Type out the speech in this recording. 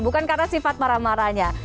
bukan karena sifat marah marahnya